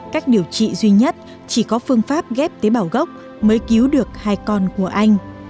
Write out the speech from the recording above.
cách điều trị duy nhất chỉ có phương pháp ghép tế bào gốc mới cứu được hai con của anh